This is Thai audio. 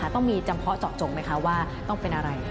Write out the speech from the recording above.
ต้องมีจำเพาะเจาะจงไหมคะว่าต้องเป็นอะไร